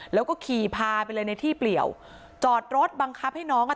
แล้วก็ขี่พาไปเลยในที่เปลี่ยวจอดรถบังคับให้น้องอ่ะ